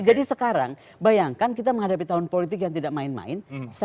jadi sekarang bayangkan kita menghadapi tahun politik yang tidak main main